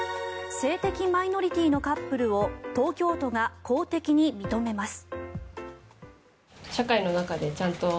性的マイノリティーのカップルを東京都が公的に認めます。